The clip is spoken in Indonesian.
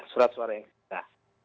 surat suara yang sisa